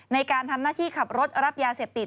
ในการทำหน้าที่ขับรถรับยาเสพติด